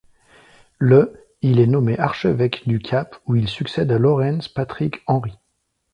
Le il est nommé archevêque du Cap où il succède à Lawrence Patrick Henry.